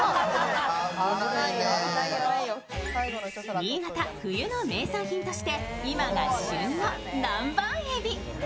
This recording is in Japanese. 新潟・冬の名産品として今が旬の南蛮えび。